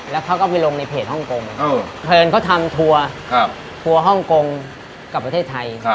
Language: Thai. แล้วเขาก็ไปลงในเพจฮ่องกงเพลินเขาทำทัวร์ทัวร์ฮ่องกงกับประเทศไทย